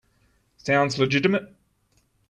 Sounds legitimate.